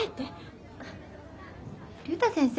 竜太先生